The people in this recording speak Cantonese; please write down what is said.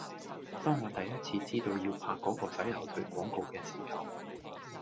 當我第一次知道要拍嗰個洗頭水廣告嘅時候